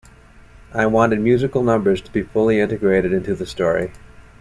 I wanted musical numbers to be fully integrated into the story.